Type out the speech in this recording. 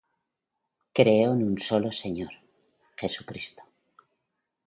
Creo en un solo Señor, Jesucristo,